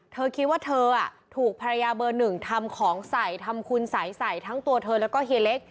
เธอคิดว่าเธอถูกภรรยาเบอร์หนึ่งทำของใส่ทำคุณสัยใส่ทั้งตัวเธอแล้วก็เฮียเล็ก